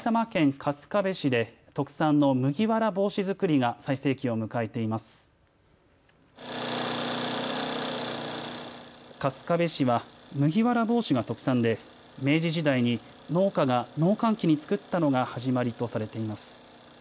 春日部市は麦わら帽子が特産で明治時代に農家が農閑期に作ったのが始まりとされています。